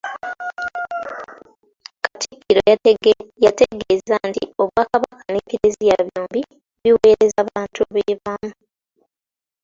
Katikkiro yategeeza nti Obwakabaka n’Eklezia byombi biweereza abantu be bamu.